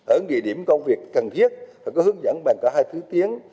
ở địa điểm công việc cần thiết phải có hướng dẫn bằng cả hai thứ tiếng